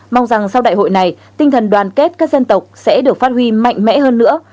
mong rằng sau đại hội này tinh thần đoàn kết các dân tộc sẽ được phát huy mạnh mẽ hơn nữa